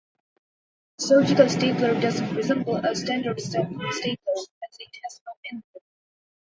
A surgical stapler doesn't resemble a standard stapler, as it has no anvil.